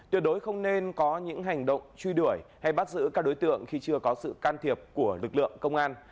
tuyệt đối không nên có những hành động truy đuổi hay bắt giữ các đối tượng khi chưa có sự can thiệp của lực lượng công an